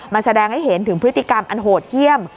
มันแสดงให้เห็นถึงพฤติกรรมอันโหดเยี่ยม